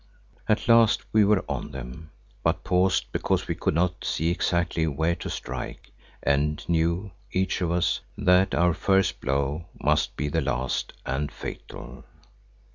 At last we were on them, but paused because we could not see exactly where to strike and knew, each of us, that our first blow must be the last and fatal.